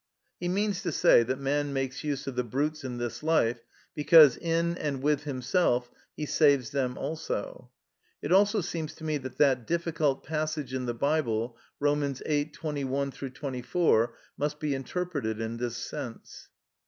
He means to say, that man makes use of the brutes in this life because, in and with himself, he saves them also. It also seems to me that that difficult passage in the Bible, Rom. viii. 21 24, must be interpreted in this sense.